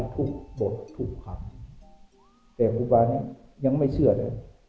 ทุกบททุกครั้งแต่ภูบานี้ยังไม่เชื่อเลย